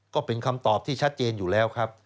ก็เป็นคำตอบที่ชัดเจนอยู่แล้วครับ